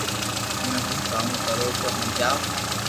ھمي ھون ڪاو ڪرو تو ھمجاو